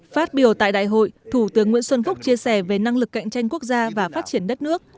phát biểu tại đại hội thủ tướng nguyễn xuân phúc chia sẻ về năng lực cạnh tranh quốc gia và phát triển đất nước